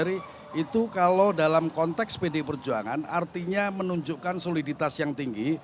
itu kalau dalam konteks pdi perjuangan artinya menunjukkan soliditas yang tinggi